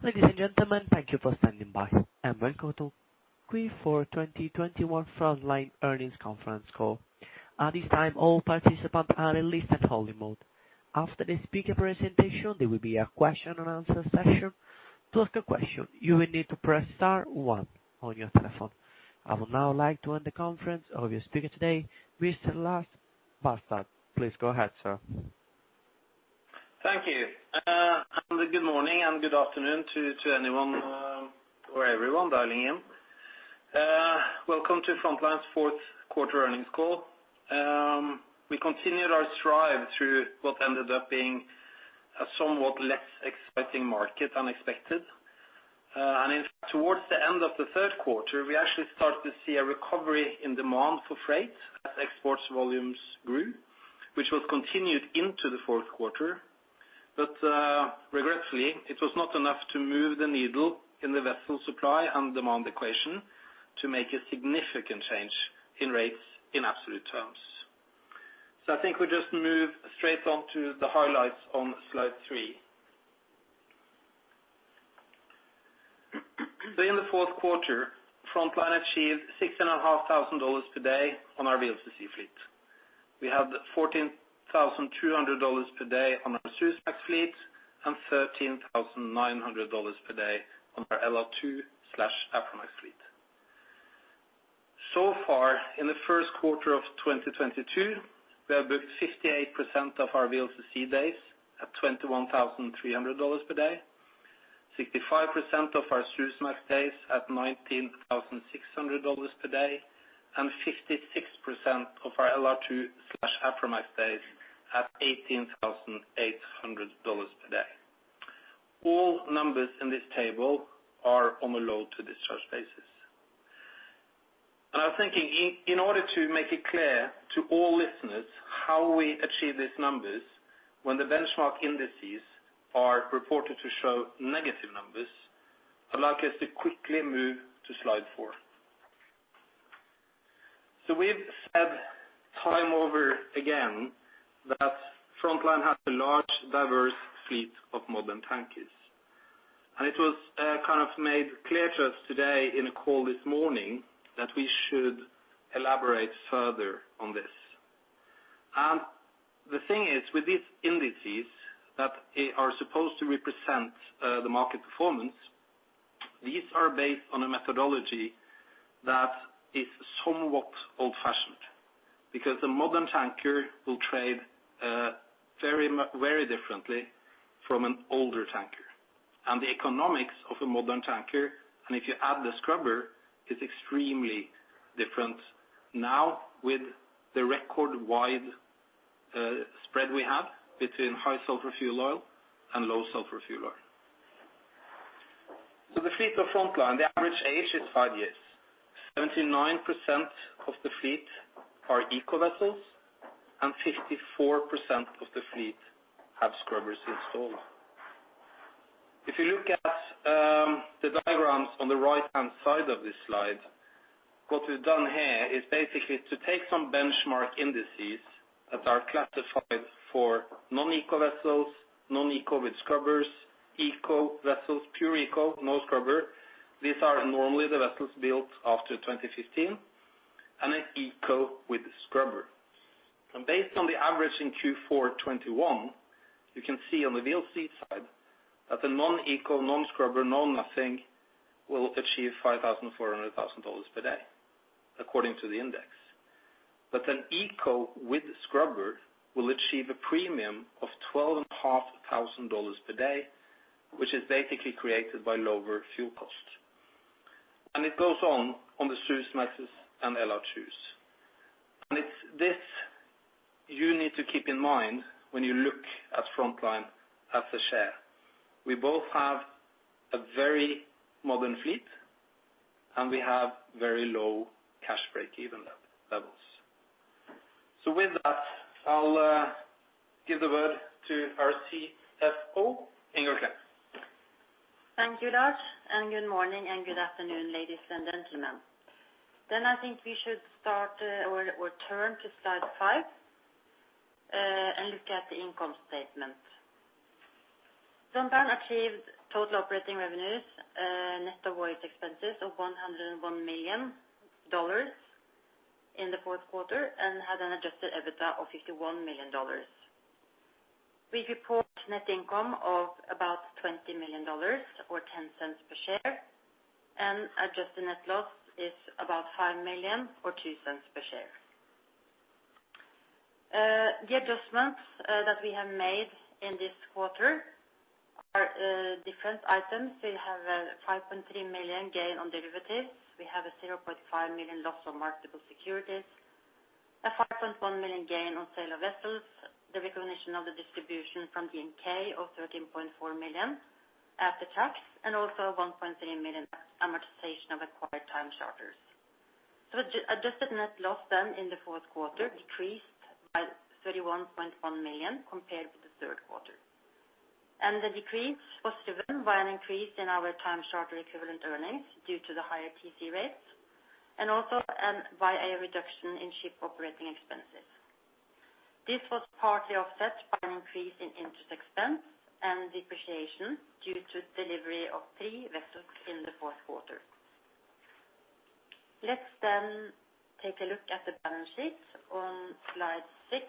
Ladies and gentlemen, thank you for standing by and welcome to Q4 2021 Frontline Earnings Conference Call. At this time all participants are in listen-only mode. After the speaker presentation, there will be a question and answer session. To ask a question, you will need to press star one on your telephone. I would now like to hand the conference over to the speaker today, Lars Barstad. Please go ahead, sir. Thank you. Good morning and good afternoon to anyone or everyone dialing in. Welcome to Frontline's fourth quarter earnings call. We continued our drive through what ended up being a somewhat less exciting market than expected. Towards the end of the third quarter, we actually started to see a recovery in demand for freight as export volumes grew, which was continued into the fourth quarter. Regretfully, it was not enough to move the needle in the vessel supply and demand equation to make a significant change in rates in absolute terms. I think we just move straight on to the highlights on slide three. In the fourth quarter, Frontline achieved $16,500 per day on our VLCC fleet. We had $14,200 per day on our Suezmax fleet and $13,900 per day on our LR2/Aframax fleet. So far, in the first quarter of 2022, we have booked 58% of our VLCC days at $21,300 per day, 65% of our Suezmax days at $19,600 per day, and 56% of our LR2/Aframax days at $18,800 per day. All numbers in this table are on the load to discharge basis. I'm thinking in order to make it clear to all listeners how we achieve these numbers when the benchmark indices are reported to show negative numbers, allow us to quickly move to slide four. We've said time over again that Frontline has a large, diverse fleet of modern tankers. It was kind of made clear to us today in a call this morning that we should elaborate further on this. The thing is, with these indices that are supposed to represent the market performance, these are based on a methodology that is somewhat old-fashioned because the modern tanker will trade very differently from an older tanker. The economics of a modern tanker, and if you add the scrubber, is extremely different now with the record wide spread we have between high sulfur fuel oil and low sulfur fuel oil. The fleet of Frontline, the average age is five years. 79% of the fleet are eco vessels and 54% of the fleet have scrubbers installed. If you look at the diagrams on the right-hand side of this slide, what we've done here is basically to take some benchmark indices that are classified for non-ECO vessels, non-ECO with scrubbers, ECO vessels, pure ECO, no scrubber. These are normally the vessels built after 2015, and then ECO with scrubber. Based on the average in Q4 2021, you can see on the VLCC side that the non-ECO, non-scrubber, no nothing will achieve $5,400 per day according to the index. An ECO with scrubber will achieve a premium of $12,500 per day, which is basically created by lower fuel cost. It goes on the Suezmax and LR2s. It's this you need to keep in mind when you look at Frontline as a share. We both have a very modern fleet, and we have very low cash break-even levels. With that, I'll give the word to our CFO, Inger Klemp. Thank you, Lars. Good morning and good afternoon, ladies and gentlemen. I think we should start or turn to slide five and look at the income statement. Frontline achieved total operating revenues, net of voyage expenses of $101 million in the fourth quarter and had an adjusted EBITDA of $51 million. We report net income of about $20 million or $0.10 per share, and adjusted net loss is about $5 million or $0.02 per share. The adjustments that we have made in this quarter are different items. We have a $5.3 million gain on derivatives. We have a $0.5 million loss on marketable securities, a $5.1 million gain on sale of vessels, the recognition of the distribution from DNV of $13.4 million after tax, and also $1.3 million amortization of acquired time charters. The adjusted net loss then in the fourth quarter decreased by $31.1 million compared with the third quarter. The decrease was driven by an increase in our time charter equivalent earnings due to the higher TC rates and also by a reduction in ship operating expenses. This was partly offset by an increase in interest expense and depreciation due to delivery of three vessels in the fourth quarter. Let's take a look at the balance sheet on slide six.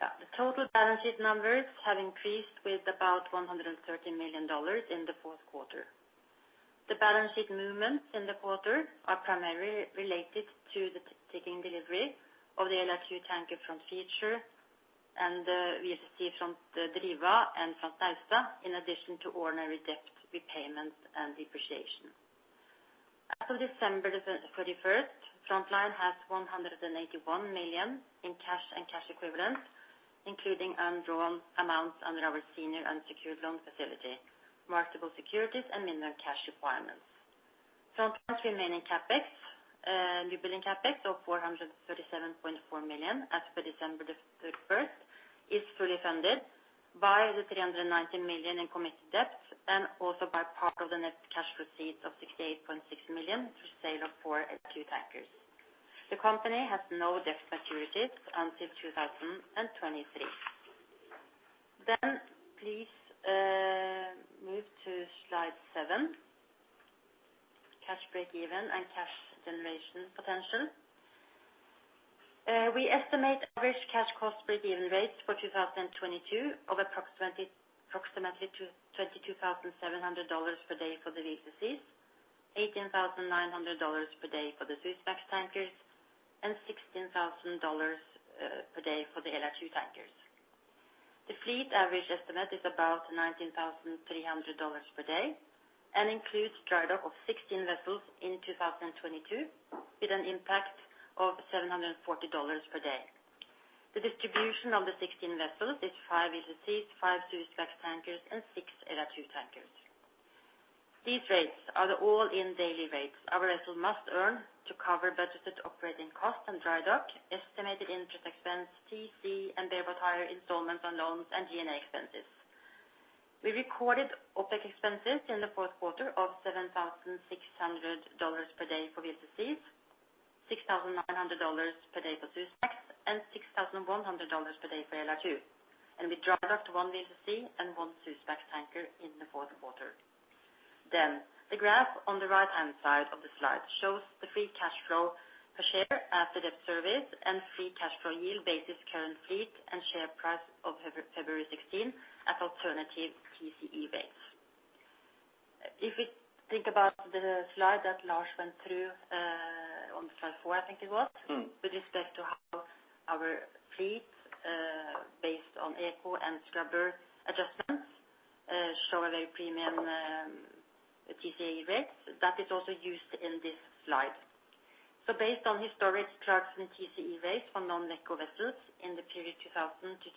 The total balance sheet numbers have increased with about $130 million in the fourth quarter. The balance sheet movements in the quarter are primarily related to the taking delivery of the LR2 tanker Front Feature and VLCC FRONT DRIVA and FRONT NAUSTA, in addition to ordinary debt repayments and depreciation. As of December 21st, Frontline has $181 million in cash and cash equivalents, including undrawn amounts under our senior unsecured loan facility, marketable securities and minimum cash requirements. The remaining CapEx, newbuilding CapEx of $437.4 million as per December 31st, is fully funded by the $390 million in committed debt, and also by part of the net cash proceeds of $68.6 million through sale of four LR2 tankers. The company has no debt maturities until 2023. Please move to slide seven, cash breakeven and cash generation potential. We estimate average cash cost breakeven rates for 2022 of approximately $22,700 per day for the VLCCs, $18,900 per day for the Suezmax tankers, and $16,000 per day for the LR2 tankers. The fleet average estimate is about $19,300 per day and includes dry dock of 16 vessels in 2022, with an impact of $740 per day. The distribution of the 16 vessels is five VLCCs, five Suezmax tankers, and six LR2 tankers. These rates are the all-in daily rates ou tor vessels must earn to cover budgeted operating costs and dry dock, estimated interest expense, TC, and bareboat hire installments on loans and G&A expenses. We recorded OpEx expenses in the fourth quarter of $7,600 per day for VLCCs, $6,900 per day for Suezmax, and $6,100 per day for LR2. We dry docked one VLCC and one Suezmax tanker in the fourth quarter. The graph on the right-hand side of the slide shows the free cash flow per share after debt service and free cash flow yield based on current fleet and share price of $16 as of February 16 at alternative TCE rates. If we think about the slide that Lars went through on slide four, I think it was Mm-hmm. With respect to how our fleet, based on ECO and scrubber adjustments, show a very premium, TCE rates. That is also used in this slide. Based on historic Clarksons TCE rates for non-ECO vessels in the period 2000 to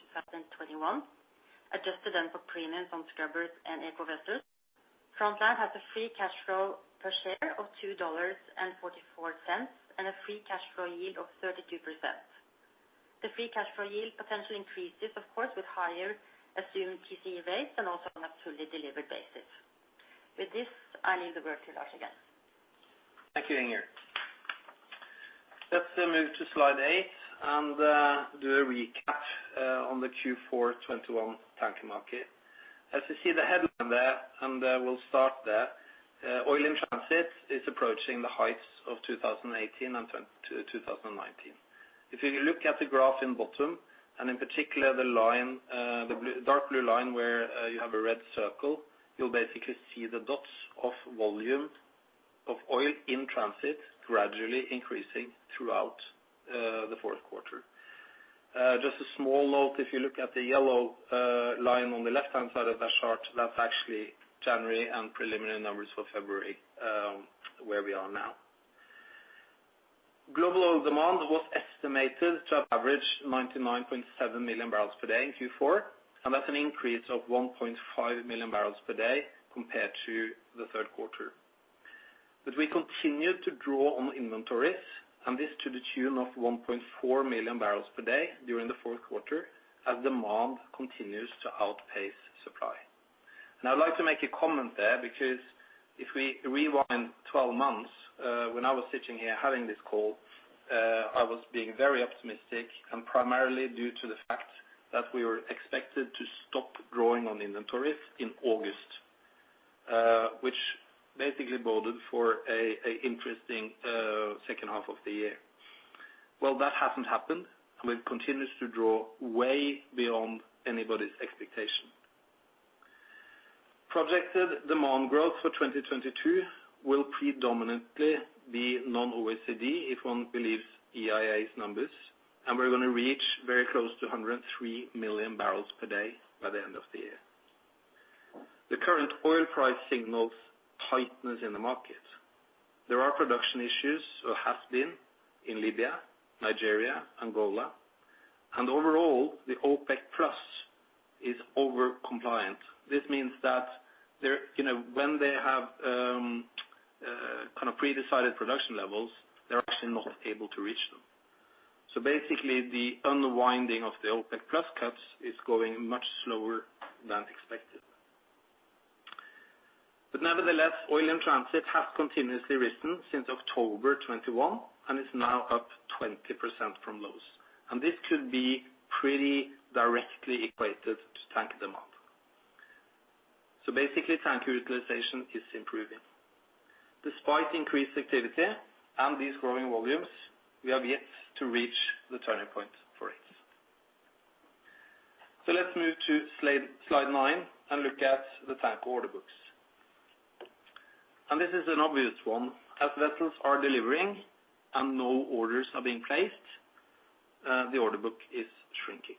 2021, adjusted then for premiums on scrubbers and ECO vessels, Frontline has a free cash flow per share of $2.44, and a free cash flow yield of 32%. The free cash flow yield potentially increases, of course, with higher assumed TCE rates and also on a fully delivered basis. With this, I leave the word to Lars again. Thank you, Inger. Let's move to slide eight and do a recap on the Q4 2021 tanker market. As you see the headline there, we'll start there. Oil in transit is approaching the heights of 2018 and 2010 to 2019. If you look at the graph at the bottom, and in particular the line, the dark blue line where you have a red circle, you'll basically see the dots of volume of oil in transit gradually increasing throughout the fourth quarter. Just a small note, if you look at the yellow line on the left-hand side of that chart, that's actually January and preliminary numbers for February, where we are now. Global oil demand was estimated to have averaged 99.7 MMbpd in Q4, and that's an increase of 1.5 MMbpd compared to the third quarter. We continued to draw on inventories, and this to the tune of 1.4 MMbpd during the fourth quarter, as demand continues to outpace supply. I'd like to make a comment there, because if we rewind 12 months, when I was sitting here having this call, I was being very optimistic, and primarily due to the fact that we were expected to stop drawing on inventories in August, which basically boded for an interesting second half of the year. Well, that hasn't happened. We've continued to draw way beyond anybody's expectation. Projected demand growth for 2022 will predominantly be non-OECD, if one believes EIA's numbers, and we're going to reach very close to 103 MMbpd by the end of the year. The current oil price signals tightness in the market. There are production issues, or has been, in Libya, Nigeria, Angola, and overall, the OPEC+ is overcompliant. This means that they're you know, when they have, kind of pre-decided production levels, they're actually not able to reach them. Basically, the unwinding of the OPEC+ cuts is going much slower than expected. Nevertheless, oil in transit has continuously risen since October 2021 and is now up 20% from lows. This could be pretty directly equated to tanker demand. Basically, tanker utilization is improving. Despite increased activity and these growing volumes, we have yet to reach the turning point for it. Let's move to slide nine and look at the tanker order books. This is an obvious one. As vessels are delivering and no orders are being placed, the order book is shrinking.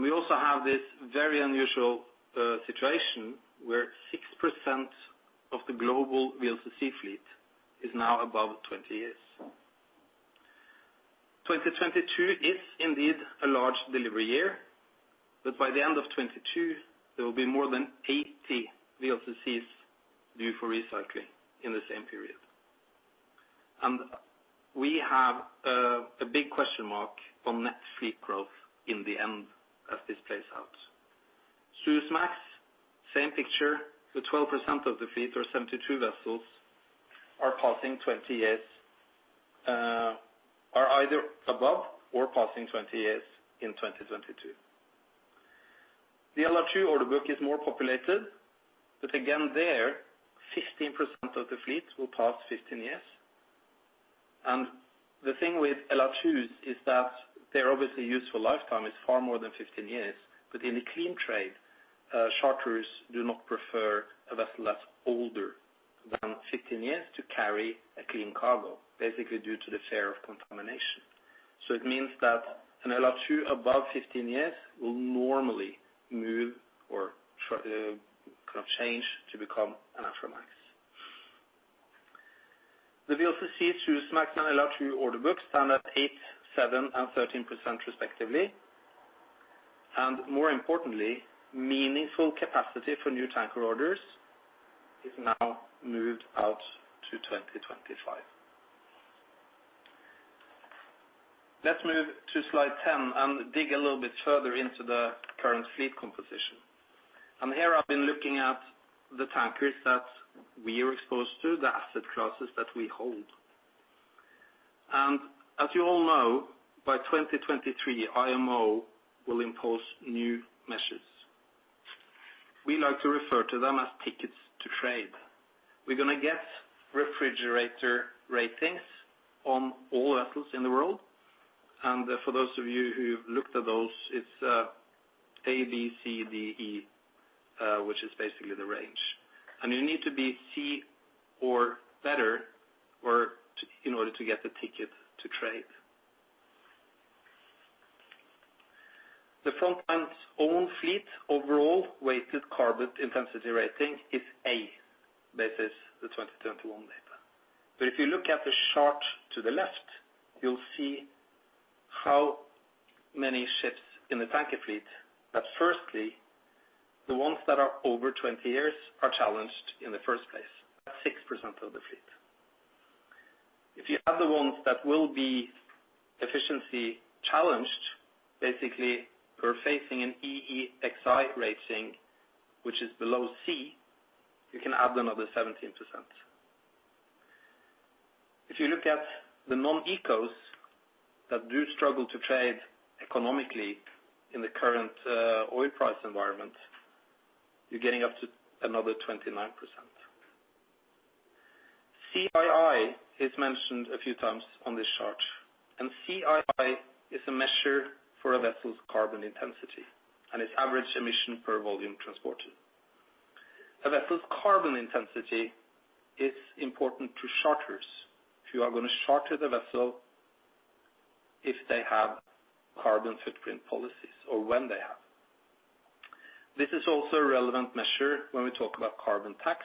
We also have this very unusual situation where 6% of the global VLCC fleet is now above 20 years. 2022 is indeed a large delivery year, but by the end of 2022, there will be more than 80 VLCCs due for recycling in the same period. We have a big question mark on net fleet growth in the end as this plays out. Suezmax, same picture with 12% of the fleet or 72 vessels are either above or passing 20 years in 2022. The LR2 order book is more populated, but again 15% of the fleet will pass 15 years. The thing with LR2s is that they're obviously useful lifetime is far more than 15 years. In the clean trade, charterers do not prefer a vessel that's older than 15 years to carry a clean cargo, basically due to the fear of contamination. It means that an LR2 above 15 years will normally kind of change to become a Suezmax. The VLCC, Suezmax, and LR2 order books stand at 8%, 7%, and 13% respectively. More importantly, meaningful capacity for new tanker orders is now moved out to 2025. Let's move to slide 10 and dig a little bit further into the current fleet composition. Here I've been looking at the tankers that we are exposed to, the asset classes that we hold. As you all know, by 2023, IMO will impose new measures. We like to refer to them as tickets to trade. We're gonna get CII ratings on all vessels in the world. For those of you who've looked at those, it's A, B, C, D, E, which is basically the range. You need to be C or better in order to get the ticket to trade. The Frontline's own fleet overall weighted carbon intensity rating is A. That is the 2021 data. If you look at the chart to the left, you'll see how many ships in the tanker fleet that firstly, the ones that are over 20 years are challenged in the first place, that's 6% of the fleet. If you add the ones that will be efficiency challenged, basically we're facing an EEXI rating which is below C, you can add another 17%. If you look at the non-ECOs that do struggle to trade economically in the current oil price environment, you're getting up to another 29%. CII is mentioned a few times on this chart, and CII is a measure for a vessel's carbon intensity and its average emission per volume transported. A vessel's carbon intensity is important to charterers if you are gonna charter the vessel if they have carbon footprint policies or when they have. This is also a relevant measure when we talk about carbon tax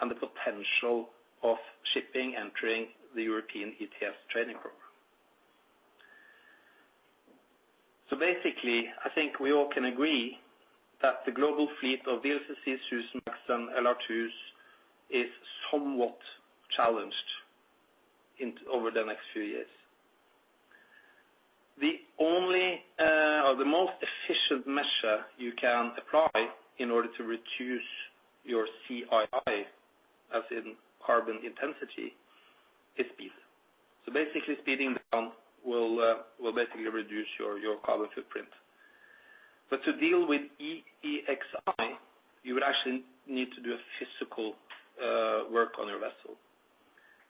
and the potential of shipping entering the EU ETS trading program. Basically, I think we all can agree that the global fleet of VLCC, Suezmax, and LR2s is somewhat challenged over the next few years. The only, or the most efficient measure you can apply in order to reduce your CII, as in carbon intensity, is speed. Basically speeding down will basically reduce your carbon footprint. But to deal with EEXI, you would actually need to do a physical work on your vessel.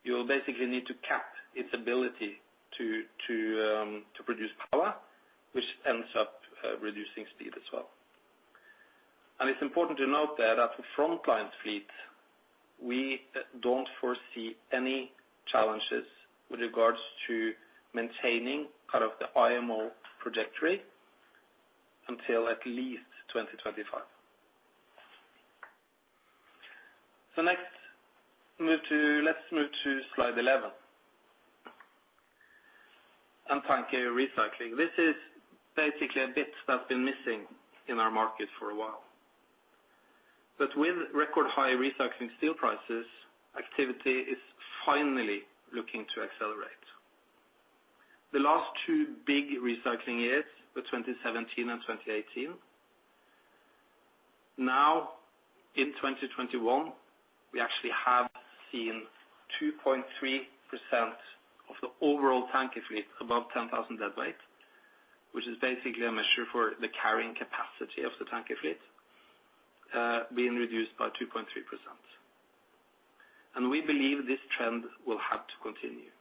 You will basically need to cap its ability to produce power, which ends up reducing speed as well. It's important to note that at the Frontline fleet, we don't foresee any challenges with regards to maintaining kind of the IMO trajectory until at least 2025. Next, let's move to slide 11. Tanker recycling. This is basically a bit that's been missing in our market for a while. With record high recycling steel prices, activity is finally looking to accelerate. The last two big recycling years were 2017 and 2018. Now in 2021, we actually have seen 2.3% of the overall tanker fleet above 10,000 deadweight, which is basically a measure for the carrying capacity of the tanker fleet, being reduced by 2.3% and we believe this trend will have to continue.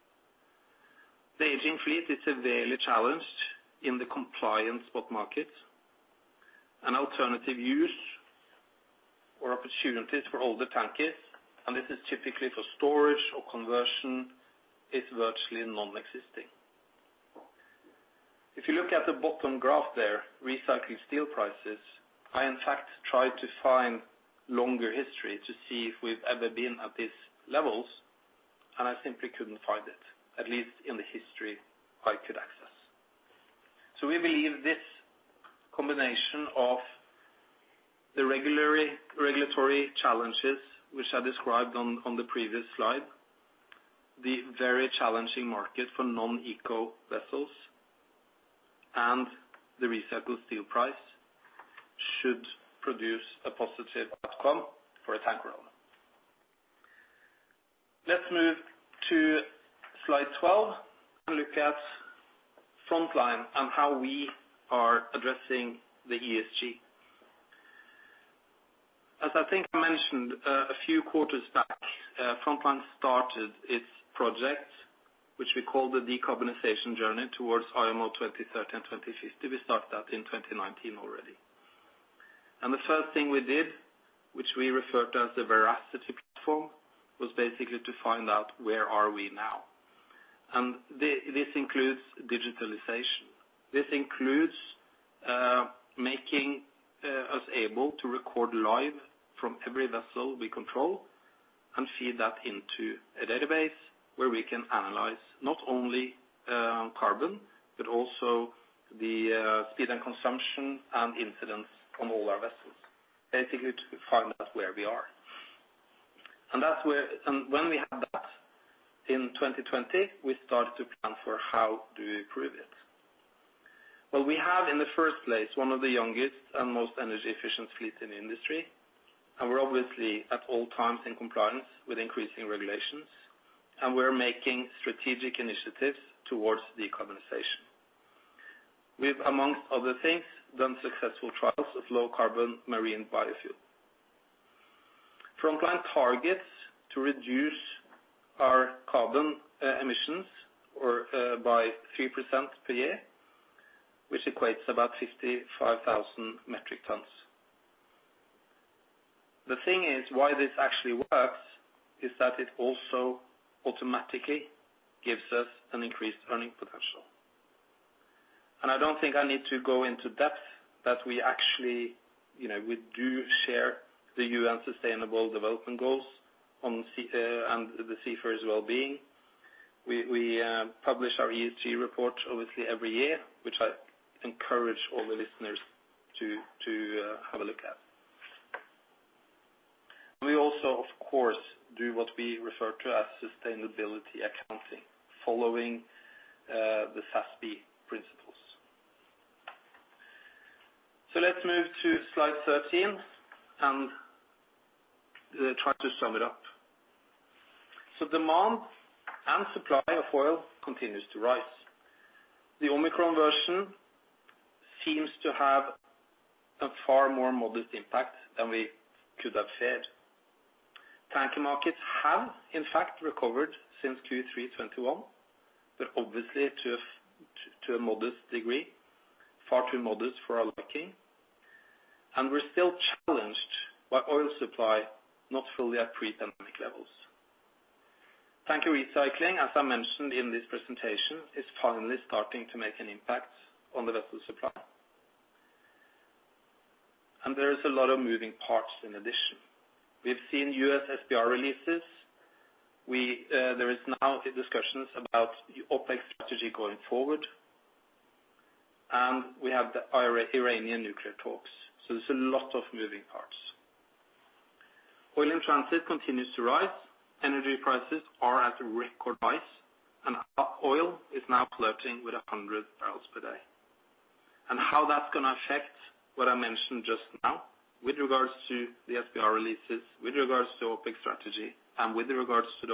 The aging fleet is severely challenged in the compliance spot market and alternative use or opportunities for older tankers, and this is typically for storage or conversion, is virtually nonexistent. If you look at the bottom graph there, recycled steel prices, I in fact tried to find longer history to see if we've ever been at these levels, and I simply couldn't find it, at least in the history I could access. We believe this combination of the regulatory challenges which I described on the previous slide, the very challenging market for non-ECO vessels and the recycled steel price should produce a positive outcome for a tanker owner. Let's move to slide 12 and look at Frontline and how we are addressing the ESG. As I think I mentioned a few quarters back, Frontline started its project, which we call the decarbonization journey towards IMO 2030 and 2050. We started that in 2019 already. The first thing we did, which we referred to as the Veracity platform, was basically to find out where we are now. This includes digitalization. This includes making us able to record live from every vessel we control and feed that into a database where we can analyze not only carbon, but also the speed and consumption and incidents on all our vessels, basically to find out where we are. That's where and when we had that in 2020, we started to plan for how we improve it. Well, we have in the first place one of the youngest and most energy efficient fleet in the industry, and we're obviously at all times in compliance with increasing regulations, and we're making strategic initiatives towards decarbonization. We've among other things done successful trials of low carbon marine biofuel. Frontline targets to reduce our carbon emissions by 3% per year, which equates about 55,000 metric tons. The thing is, why this actually works is that it also automatically gives us an increased earning potential. I don't think I need to go into depth that we actually, you know, we do share the UN Sustainable Development Goals on sea and the seafarer's wellbeing. We publish our ESG report obviously every year, which I encourage all the listeners to have a look at. We also, of course, do what we refer to as sustainability accounting following the SASB principles. Let's move to slide 13 and try to sum it up. Demand and supply of oil continues to rise. The Omicron variant seems to have a far more modest impact than we could have feared. Tanker markets have in fact recovered since Q3 2021, but obviously to a modest degree, far too modest for our liking. We're still challenged by oil supply not fully at pre-pandemic levels. Tanker recycling, as I mentioned in this presentation, is finally starting to make an impact on the vessel supply. There is a lot of moving parts in addition. We've seen U.S. SPR releases. There is now discussions about the OPEC strategy going forward, and we have the Iranian nuclear talks. There's a lot of moving parts. Oil in transit continues to rise. Energy prices are at record highs, and oil is now flirting with $100 per barrel. How that's gonna affect what I mentioned just now with regards to the SPR releases, with regards to OPEC strategy and with regards to the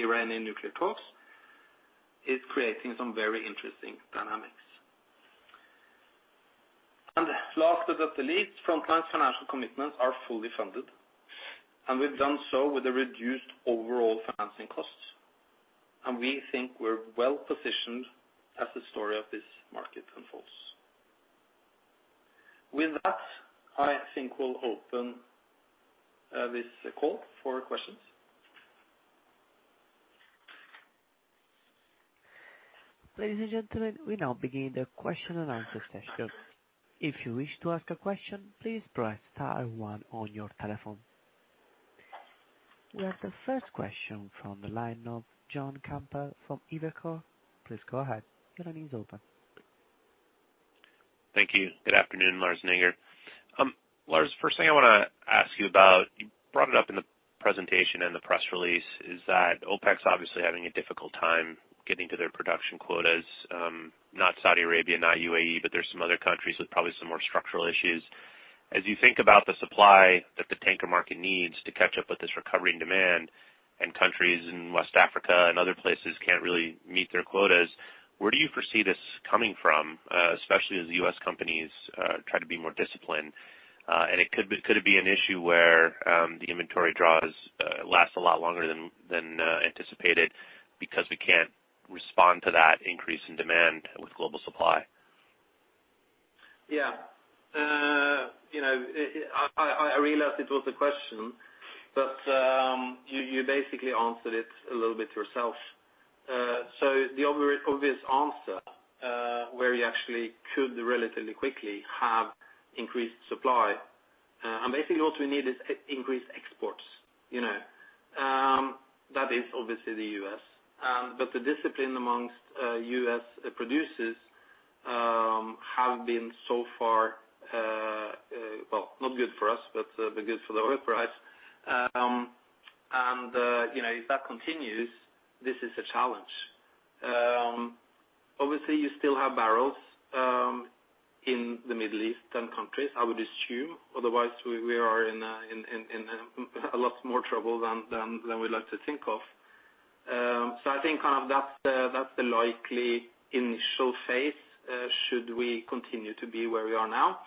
Iranian nuclear talks is creating some very interesting dynamics. Last but not least, Frontline's financial commitments are fully funded, and we've done so with a reduced overall financing costs. We think we're well-positioned as the story of this market unfolds. With that, I think we'll open this call for questions. Ladies and gentlemen, we now begin the question and answer session. If you wish to ask a question, please press star one on your telephone. We have the first question from the line of Jon Chappell from Evercore. Please go ahead, your line is open. Thank you. Good afternoon, Lars and Inger. Lars, first thing I wanna ask you about, you brought it up in the presentation and the press release, is that OPEC's obviously having a difficult time getting to their production quotas. Not Saudi Arabia, not U.A.E., but there's some other countries with probably some more structural issues. As you think about the supply that the tanker market needs to catch up with this recovery and demand, and countries in West Africa and other places can't really meet their quotas, where do you foresee this coming from, especially as the U.S. companies try to be more disciplined? And it could be an issue where the inventory draws lasts a lot longer than anticipated because we can't respond to that increase in demand with global supply? Yeah. You know, I realized it was a question, but you basically answered it a little bit yourself. So the obvious answer, where you actually could relatively quickly have increased supply, and basically what we need is increased exports, you know. That is obviously the U.S. But the discipline amongst U.S. producers have been so far well not good for us, but good for the oil price. And you know, if that continues, this is a challenge. Obviously you still have barrels in the Middle East and countries, I would assume. Otherwise, we are in a lot more trouble than we'd like to think of. I think that's the likely initial phase should we continue to be where we are now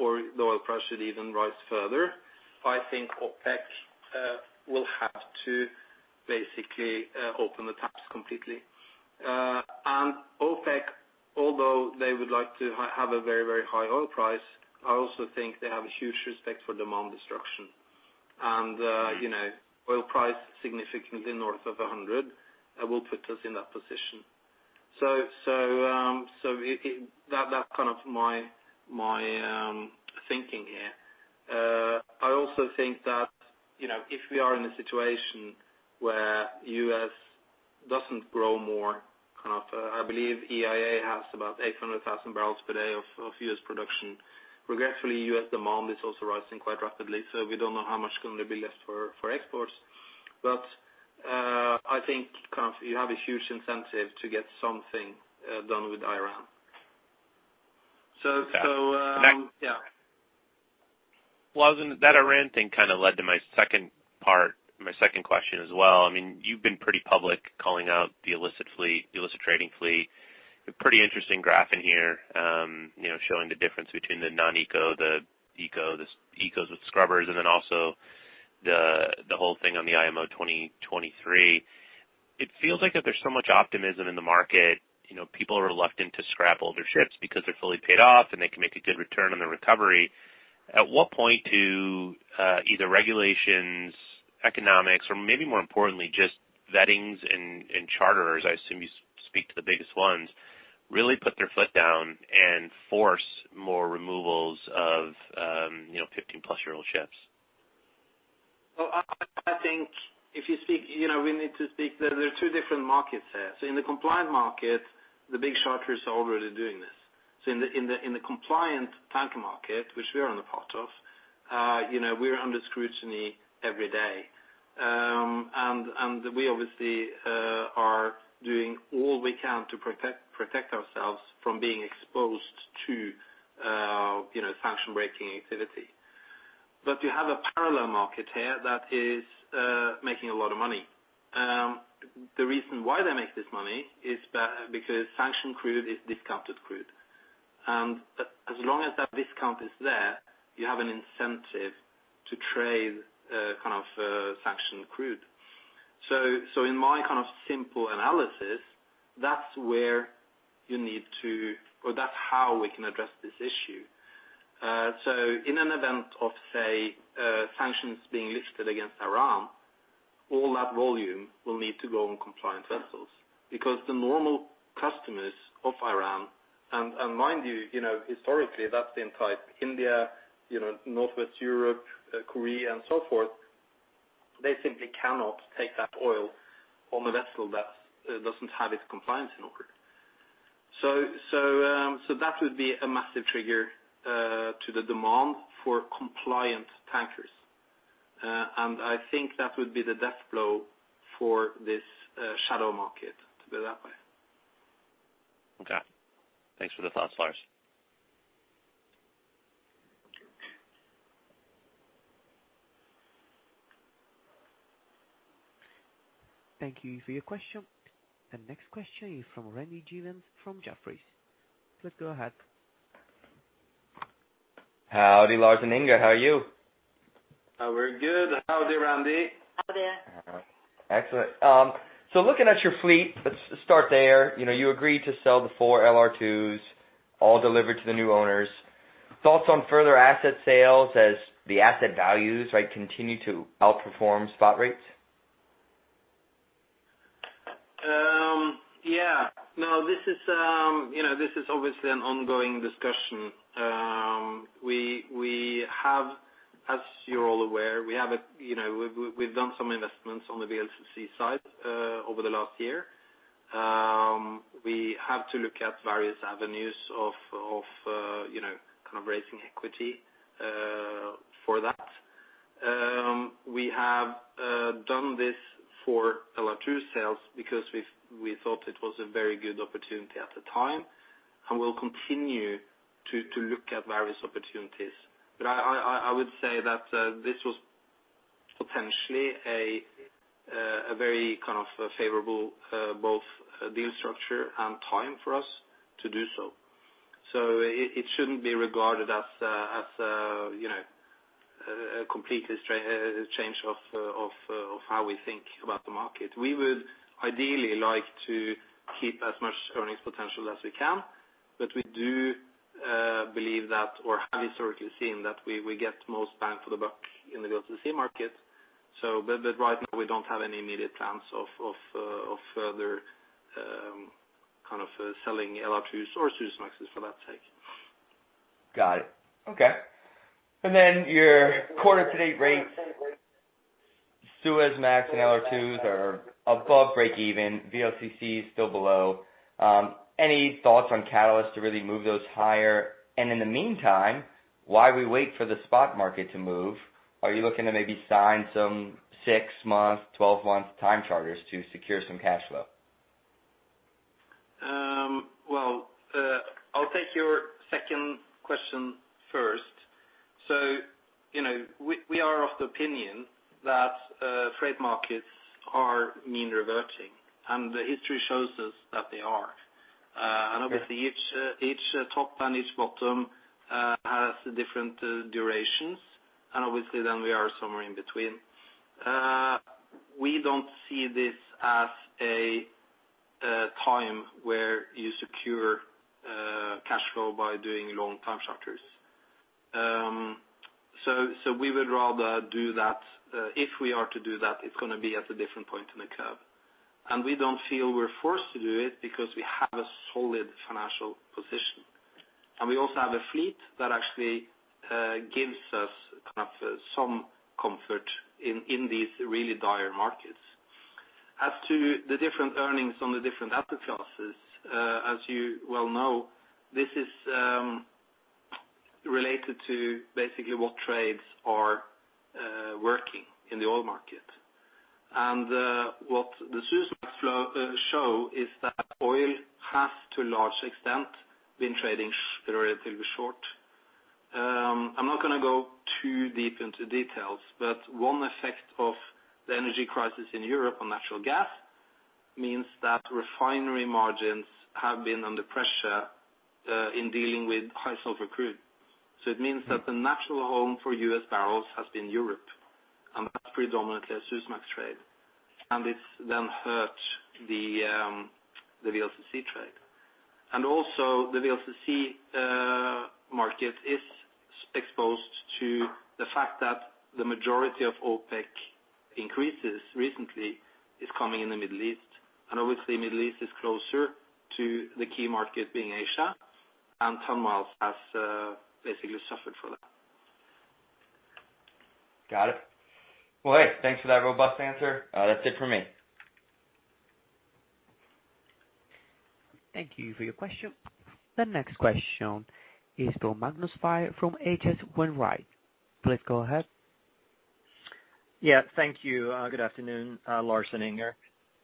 or the oil price should even rise further. I think OPEC will have to basically open the taps completely. OPEC, although they would like to have a very high oil price, I also think they have a huge respect for demand destruction. You know, oil price significantly north of $100 will put us in that position. That's kind of my thinking here. I also think that, you know, if we are in a situation where U.S. doesn't grow more, kind of, I believe EIA has about 800,000 bpd of U.S. production. Regretfully, U.S. demand is also rising quite rapidly, so we don't know how much is gonna be left for exports. I think kind of you have a huge incentive to get something done with Iran. Okay. Yeah. Well, that Iran thing kinda led to my second part, my second question as well. I mean, you've been pretty public calling out the illicit fleet, illicit trading fleet. A pretty interesting graph in here, you know, showing the difference between the non-ECO, the ECO, the ECOs with scrubbers, and then also the whole thing on the IMO 2023. It feels like that there's so much optimism in the market, you know, people are reluctant to scrap older ships because they're fully paid off and they can make a good return on the recovery. At what point do either regulations, economics, or maybe more importantly, just vettings and charterers, I assume you speak to the biggest ones, really put their foot down and force more removals of, you know, 15+-year-old ships? Well, I think, you know, there are two different markets here. In the compliant market, the big charterers are already doing this. In the compliant tanker market, which we are a part of, you know, we're under scrutiny every day, and we obviously are doing all we can to protect ourselves from being exposed to, you know, sanction-breaking activity. You have a parallel market here that is making a lot of money. The reason why they make this money is because sanction crude is discounted crude. As long as that discount is there, you have an incentive to trade kind of sanction crude. In my kind of simple analysis, that's how we can address this issue. In the event of, say, sanctions being lifted against Iran, all that volume will need to go on compliant vessels. Because the normal customers of Iran, and mind you know, historically that's been type India, you know, Northwest Europe, Korea and so forth, they simply cannot take that oil on a vessel that doesn't have its compliance in order. That would be a massive trigger to the demand for compliant tankers. I think that would be the death blow for this shadow market, to put it that way. Okay. Thanks for the thoughts, Lars. Thank you for your question. The next question is from Randy Giveans from Jefferies. Please go ahead. Howdy, Lars and Inger, how are you? We're good. Howdy, Randy. Howdy. Excellent. So looking at your fleet, let's start there. You know, you agreed to sell the four LR2s all delivered to the new owners. Thoughts on further asset sales as the asset values, right, continue to outperform spot rates? Yeah. No, this is, you know, this is obviously an ongoing discussion, as you're all aware, we have, you know, we've done some investments on the VLCC side over the last year. We have to look at various avenues of, you know, kind of raising equity for that. We have done this for LR2 sales because we thought it was a very good opportunity at the time, and we'll continue to look at various opportunities. I would say that this was potentially a very kind of favorable both deal structure and time for us to do so. It shouldn't be regarded as, you know, a complete change of how we think about the market. We would ideally like to keep as much earnings potential as we can, but we do believe that, or have historically seen that we get most bang for the buck in the VLCC market. But right now we don't have any immediate plans of further kind of selling LR2 or Suezmaxes for that sake. Got it. Okay. Your quarter to date rates, Suezmax and LR2s are above break even, VLCC is still below. Any thoughts on catalysts to really move those higher? In the meantime, while we wait for the spot market to move, are you looking to maybe sign some six-month, 12-month time charters to secure some cash flow? Well, I'll take your second question first. You know, we are of the opinion that freight markets are mean reverting, and the history shows us that they are. Okay. Obviously each top and each bottom has different durations, and obviously then we are somewhere in between. We don't see this as a time where you secure cash flow by doing long time charters. We would rather do that. If we are to do that, it's gonna be at a different point in the curve. We don't feel we're forced to do it because we have a solid financial position. We also have a fleet that actually gives us kind of some comfort in these really dire markets. As to the different earnings on the different asset classes, as you well know, this is related to basically what trades are working in the oil market. What the Suezmax flow show is that oil has to a large extent been trading relatively short. I'm not gonna go too deep into details, but one effect of the energy crisis in Europe on natural gas means that refinery margins have been under pressure in dealing with high sulfur crude. It means that the natural home for U.S. barrels has been Europe, and that's predominantly a Suezmax trade, and it's then hurt the VLCC trade. Also the VLCC market is exposed to the fact that the majority of OPEC increases recently is coming in the Middle East, and obviously Middle East is closer to the key market being Asia, and ton miles has basically suffered for that. Got it. Well, hey, thanks for that robust answer. That's it for me. Thank you for your question. The next question is from Magnus Fyhr from H.C. Wainwright. Please go ahead. Yeah, thank you. Good afternoon, Lars and Inger.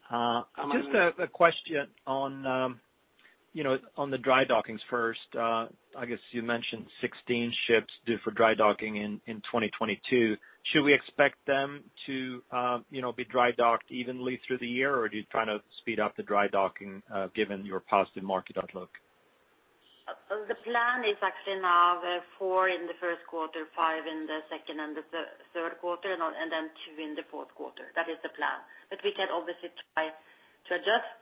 Hi, Magnus. Just a question on, you know, on the dry dockings first. I guess you mentioned 16 ships due for dry docking in 2022. Should we expect them to, you know, be dry docked evenly through the year, or are you trying to speed up the dry docking given your positive market outlook? The plan is actually now four in the first quarter, five in the second and the third quarter, and then two in the fourth quarter. That is the plan. But we can obviously try to adjust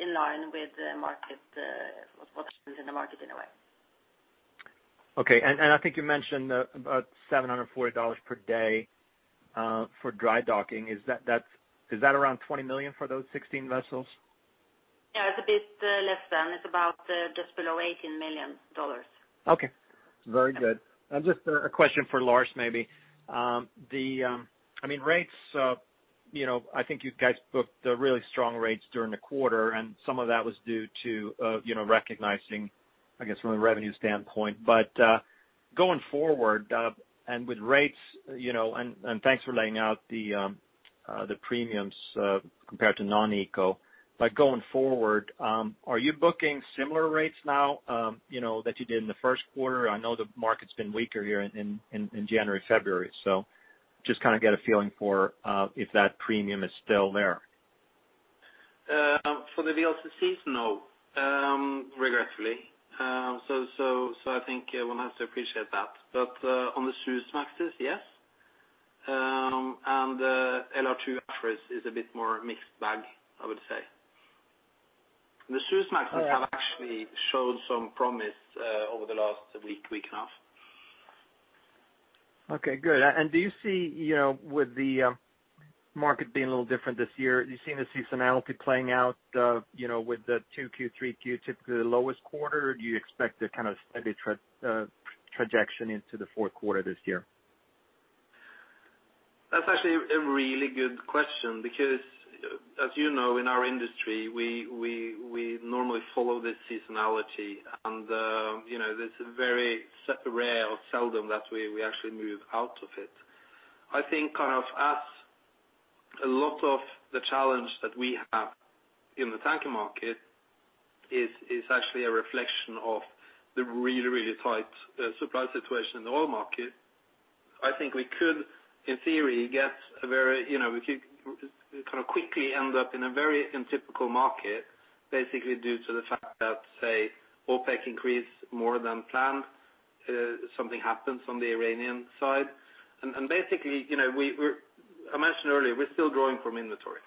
in line with the market, what happens in the market in a way. Okay. I think you mentioned about $740 per day for dry docking. Is that around $20 million for those 16 vessels? Yeah, it's a bit less than. It's about just below $18 million. Okay. Very good. Just a question for Lars maybe. I mean, rates, you know, I think you guys booked the really strong rates during the quarter, and some of that was due to, you know, recognizing, I guess, from a revenue standpoint. Going forward, and with rates, you know, and thanks for laying out the premiums compared to non-ECO. Going forward, are you booking similar rates now, you know, that you did in the first quarter? I know the market's been weaker here in January, February, so just kinda get a feeling for if that premium is still there. For the VLCCs, no, regretfully. I think one has to appreciate that. On the Suezmaxes, yes. LR2 actually is a bit more mixed bag, I would say. The Suezmaxes Oh, yeah. Have actually showed some promise over the last week and a half. Okay, good. Do you see, you know, with the market being a little different this year, do you see any seasonality playing out, you know, with the 2Q, 3Q, typically the lowest quarter? Do you expect a kind of steady trajectory into the fourth quarter this year? That's actually a really good question because as you know, in our industry we normally follow the seasonality and, you know, this is very rare or seldom that we actually move out of it. I think kind of as a lot of the challenge that we have in the tanker market is actually a reflection of the really, really tight supply situation in the oil market. I think we could, in theory, get a very, you know, we could kind of quickly end up in a very untypical market, basically due to the fact that, say, OPEC increased more than planned, something happens on the Iranian side. Basically, you know, I mentioned earlier, we're still growing from inventory.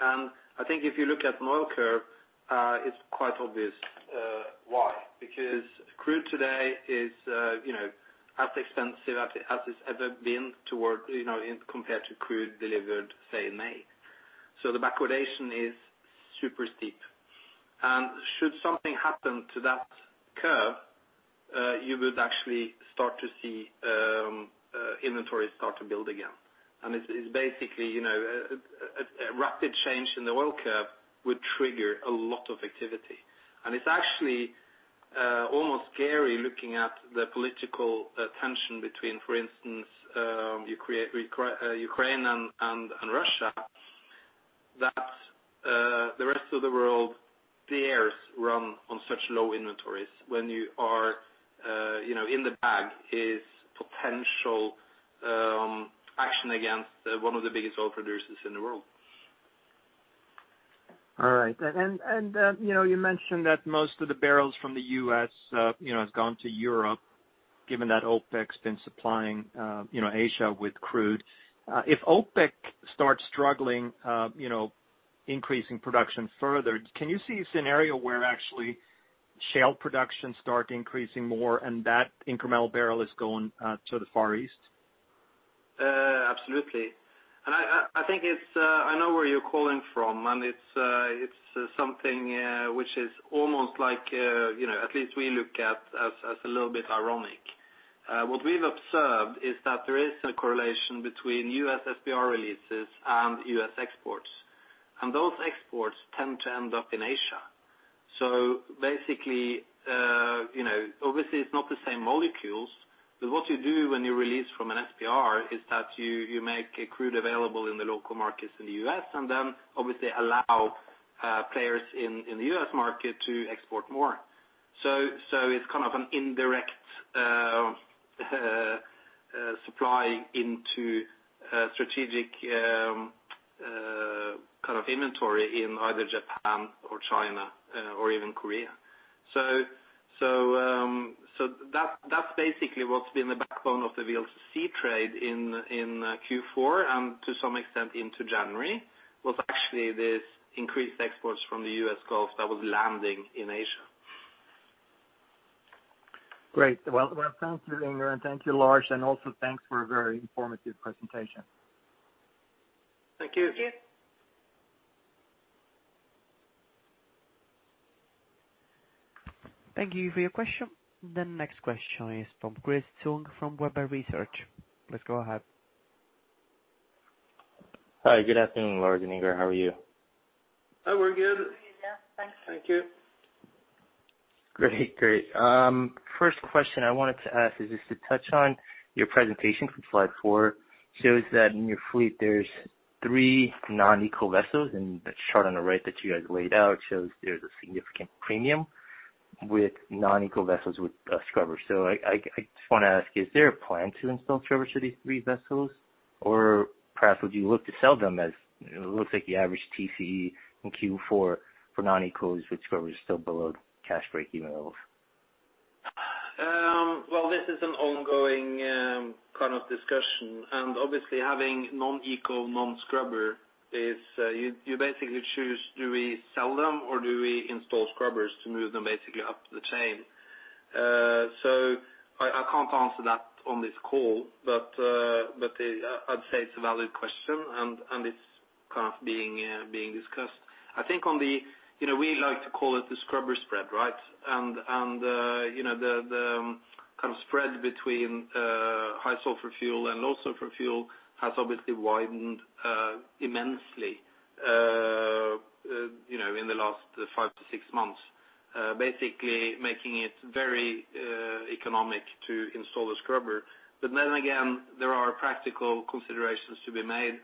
I think if you look at an oil curve, it's quite obvious why, because crude today is, you know, as expensive as it's ever been in comparison to crude delivered, say, in May. The backwardation is super steep. Should something happen to that curve, you would actually start to see inventory start to build again. It's basically, you know, a rapid change in the oil curve would trigger a lot of activity. It's actually almost scary looking at the political tension between, for instance, Ukraine and Russia that the rest of the world dares run on such low inventories when you are, you know, with the risk of potential action against one of the biggest oil producers in the world. All right. You know, you mentioned that most of the barrels from the U.S., you know, has gone to Europe, given that OPEC's been supplying, you know, Asia with crude. If OPEC starts struggling, you know, increasing production further, can you see a scenario where actually shale production start increasing more and that incremental barrel is going to the Far East? Absolutely. I think I know where you're calling from, and it's something which is almost like, you know, at least we look at as a little bit ironic. What we've observed is that there is a correlation between U.S. SPR releases and U.S. exports, and those exports tend to end up in Asia. So basically, you know, obviously it's not the same molecules, but what you do when you release from an SPR is that you make a crude available in the local markets in the U.S. and then obviously allow players in the U.S. market to export more. So it's kind of an indirect supply into a strategic kind of inventory in either Japan or China, or even Korea. That's basically what's been the backbone of the VLCC trade in Q4 and to some extent into January was actually this increased exports from the U.S. Gulf that was landing in Asia. Great. Well, thanks, Inger. Thank you, Lars, and also thanks for a very informative presentation. Thank you. Thank you. Thank you for your question. The next question is from Chris Tsung from Webber Research. Please go ahead. Hi. Good afternoon, Lars and Inger. How are you? Oh, we're good. We're good, yeah. Thanks. Thank you. Great. First question I wanted to ask is just to touch on your presentation from slide four shows that in your fleet there's three non-ECO vessels, and the chart on the right that you guys laid out shows there's a significant premium with non-ECO vessels with scrubbers. I just wanna ask, is there a plan to install scrubbers to these three vessels? Or perhaps would you look to sell them as it looks like the average TCE in Q4 for non-ECOs with scrubbers still below cash break-even levels. Well, this is an ongoing kind of discussion, and obviously having non-ECO, non-scrubber is, you basically choose do we sell them or do we install scrubbers to move them basically up the chain? I can't answer that on this call, but I'd say it's a valid question and it's kind of being discussed. You know, we like to call it the scrubber spread, right? You know, the kind of spread between high-sulfur fuel and low-sulfur fuel has obviously widened immensely, you know, in the last five to six months, basically making it very economic to install a scrubber. There are practical considerations to be made,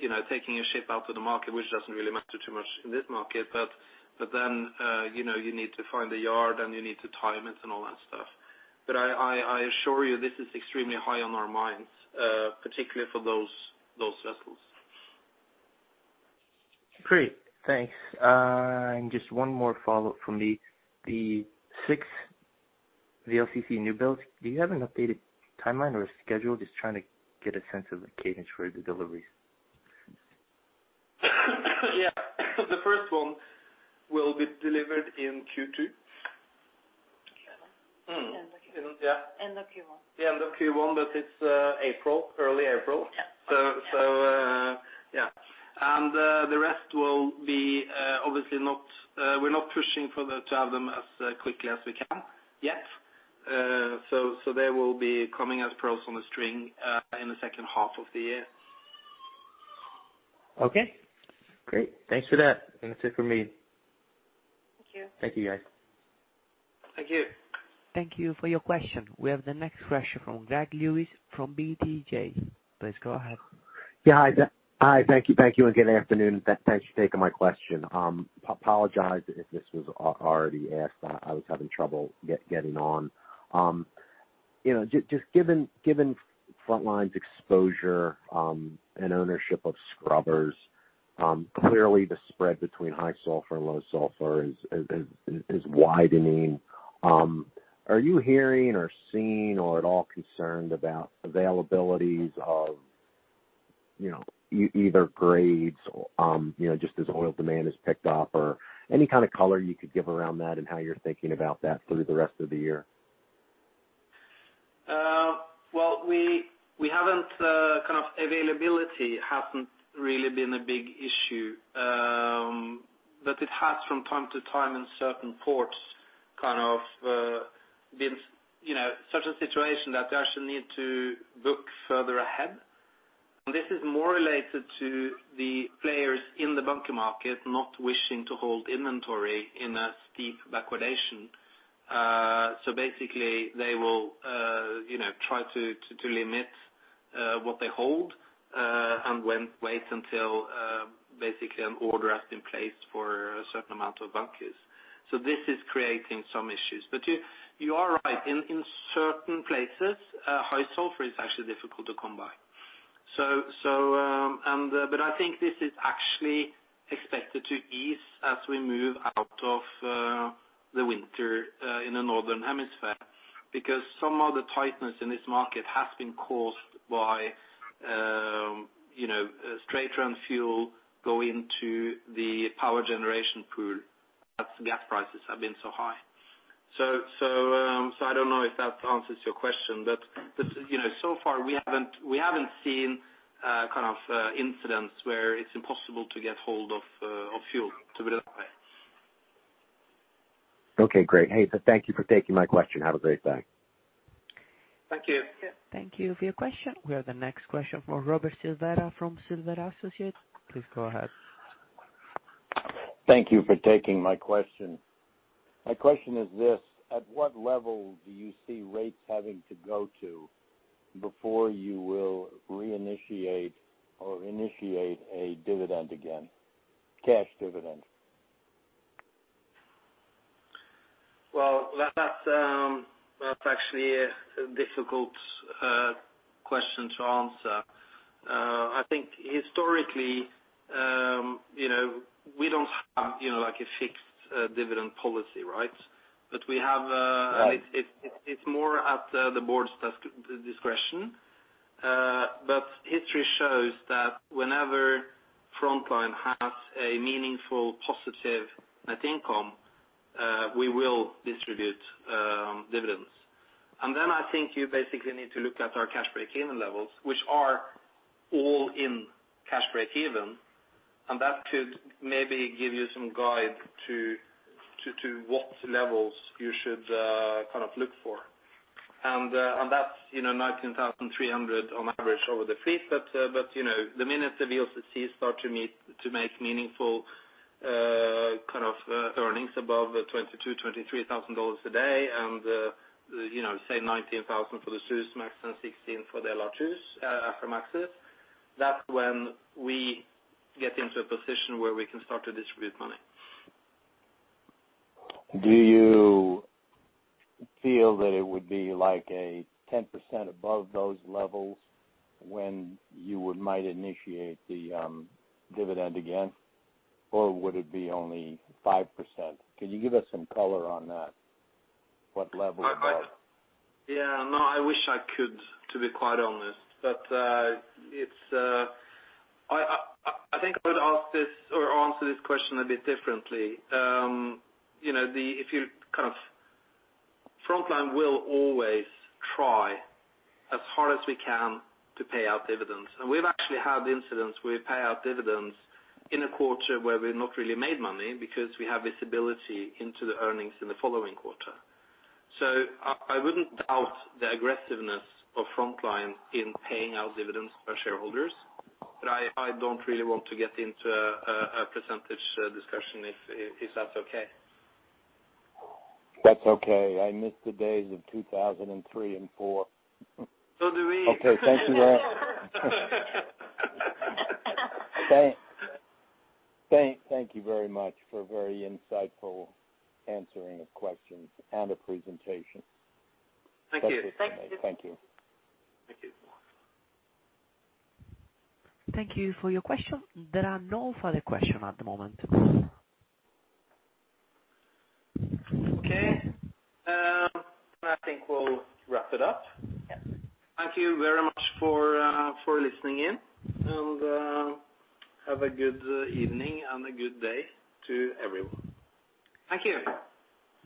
you know, taking a ship out to the market, which doesn't really matter too much in this market, but then you know, you need to find a yard and you need to time it and all that stuff. I assure you, this is extremely high on our minds, particularly for those vessels. Great. Thanks. Just one more follow-up for me. The six VLCC newbuild, do you have an updated timeline or a schedule? Just trying to get a sense of the cadence for the deliveries. Yeah. The first one will be delivered in Q2. Q1. Mm-hmm. End of Q1. Yeah. End of Q1. The end of Q1, but it's April, early April. Yeah. The rest will be obviously not. We're not pushing to have them as quickly as we can yet. They will be coming as pearls on a string in the second half of the year. Okay, great. Thanks for that. That's it for me. Thank you. Thank you, guys. Thank you. Thank you for your question. We have the next question from Greg Lewis from BTIG. Please go ahead. Yeah. Hi. Thank you, and good afternoon. Thanks for taking my question. I apologize if this was already asked. I was having trouble getting on. You know, just given Frontline's exposure and ownership of scrubbers, clearly the spread between high sulfur and low sulfur is widening. Are you hearing or seeing or at all concerned about availabilities of, you know, either grades or, you know, just as oil demand has picked up or any kind of color you could give around that and how you're thinking about that through the rest of the year? Well, we haven't. Availability hasn't really been a big issue, but it has from time to time in certain ports, kind of, you know, such a situation that they actually need to book further ahead. This is more related to the players in the bunker market not wishing to hold inventory in a steep backwardation. Basically, they will, you know, try to limit what they hold and wait until basically an order has been placed for a certain amount of bunkers. This is creating some issues. You are right. In certain places, high sulfur is actually difficult to come by. I think this is actually expected to ease as we move out of the winter in the northern hemisphere because some of the tightness in this market has been caused by, you know, straight-run fuel going into the power generation pool as gas prices have been so high. I don't know if that answers your question. You know, so far, we haven't seen kind of incidents where it's impossible to get hold of fuel, to put it that way. Okay, great. Hey, so thank you for taking my question. Have a great day. Thank you. Yeah. Thank you for your question. We have the next question from Robert Silvera from Silvera Associates. Please go ahead. Thank you for taking my question. My question is this. At what level do you see rates having to go to before you will reinitiate or initiate a dividend again, cash dividend? Well, that's actually a difficult question to answer. I think historically, you know, we don't have, you know, like a fixed dividend policy, right? But we have, Right. It's more at the board's discretion. History shows that whenever Frontline has a meaningful positive net income, we will distribute dividends. I think you basically need to look at our cash break-even levels, which are all in cash break-even, and that could maybe give you some guide to what levels you should kind of look for. And that's, you know, $19,300 on average over the fleet. But you know, the minute the VLCCs start to make meaningful kind of earnings above $22,000-$23,000 a day and you know, say $19,000 for the Suezmax and $16,000 for the LR2s, Aframaxes, that's when we get into a position where we can start to distribute money. Do you feel that it would be like 10% above those levels when you might initiate the dividend again? Or would it be only 5%? Can you give us some color on that, what level above? Yeah, no, I wish I could, to be quite honest. I think I would ask this or answer this question a bit differently. You know, Frontline will always try as hard as we can to pay out dividends. We've actually had instances where we pay out dividends in a quarter where we've not really made money because we have visibility into the earnings in the following quarter. I wouldn't doubt the aggressiveness of Frontline in paying out dividends to shareholders, but I don't really want to get into a percentage discussion, if that's okay. That's okay. I miss the days of 2003 and 2004. Do we. Okay. Thank you then. Thank you very much for a very insightful answering of questions and a presentation. Thank you. That's it from me. Thank you. Thank you. Thank you for your question. There are no further question at the moment. Okay. I think we'll wrap it up. Yeah. Thank you very much for listening in. Have a good evening and a good day to everyone. Thank you.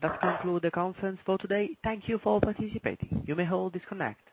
That concludes the conference for today. Thank you for participating. You may all disconnect.